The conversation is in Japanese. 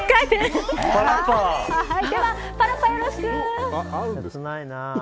では、パラッパよろしく。